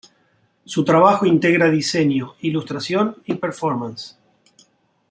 Su trabajo integra diseño, ilustración y performance.